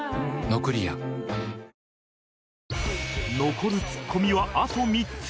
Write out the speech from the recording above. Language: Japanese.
残るツッコミはあと３つ